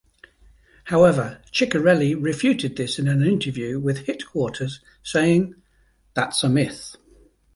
However, Chiccarelli refuted this in an interview with HitQuarters saying, That's a myth.